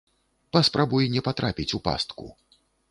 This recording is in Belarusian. Паспрабуй не патрапіць у пастку.